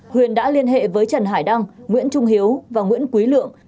huyền đã liên hệ với trần hải đăng nguyễn trung hiếu và nguyễn quý lượng